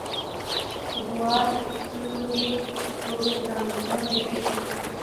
دوعا؛ تر سترګو دې وګرځم؛ نور ويده شه.